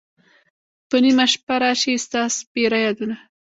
په نیمه شپه را شی ستا سپیره یادونه